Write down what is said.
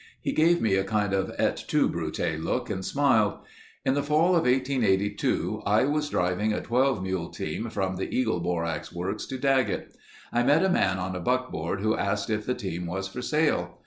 He gave me a kind of et tu, Brute look and smiled. "In the fall of 1882 I was driving a 12 mule team from the Eagle Borax Works to Daggett. I met a man on a buckboard who asked if the team was for sale.